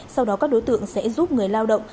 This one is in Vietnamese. sau đó các đối tượng sẽ giúp người lao động